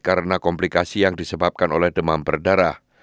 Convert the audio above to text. karena komplikasi yang disebabkan oleh demam berdarah